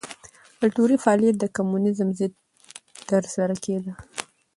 کلتوري فعالیت د کمونېزم ضد ترسره کېده.